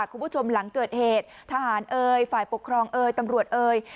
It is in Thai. คุณผู้ชมหลังเกิดเหตุทหารเอ่ยฝ่ายปกครองเอยตำรวจเอ่ย